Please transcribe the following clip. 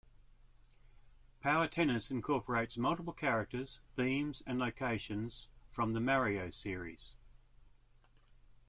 "Power Tennis" incorporates multiple characters, themes, and locations from the "Mario" series.